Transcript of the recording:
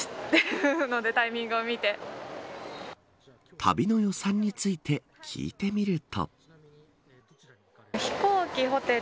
旅の予算について聞いてみると。